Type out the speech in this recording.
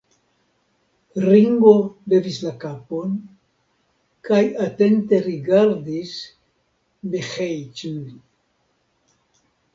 Ringo levis la kapon kaj atente rigardis Miĥeiĉ'n.